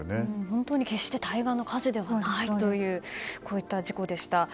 本当に決して対岸の火事ではないというこういった事故でした。